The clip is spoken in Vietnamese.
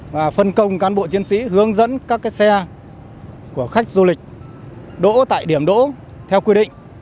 và phân công cán bộ chiến sĩ hướng dẫn các xe của khách du lịch đỗ tại điểm đỗ theo quy định